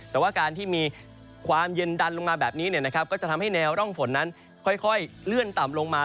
แต่ว่าการที่มีความเย็นดันลงมาแบบนี้ก็จะทำให้แนวร่องฝนนั้นค่อยเลื่อนต่ำลงมา